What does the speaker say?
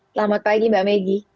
selamat pagi mbak megi